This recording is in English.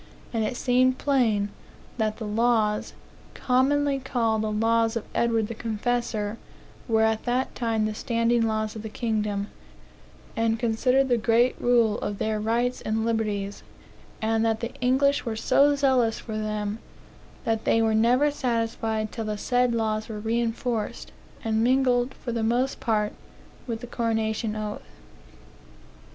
and it seems plain that the laws, commonly called the laws of Edward the Confessor, were at that time the standing laws of the kingdom, and considered the great rule of their rights and liberties; and that the Eriglish were so zealous for them, 'that they were never satisfied till the said laws were reenforced, and mingled, for the most part, with the coronation oath.'